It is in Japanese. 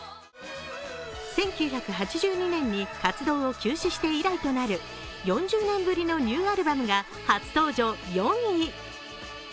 １９８２年に活動を休止して以来となる４０年ぶりのニューアルバムが初登場４位に。